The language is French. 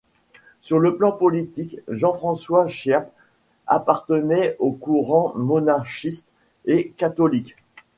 Sur le plan politique, Jean-François Chiappe appartenait aux courants monarchistes et catholiques.